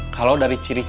kalau dari ciri ciri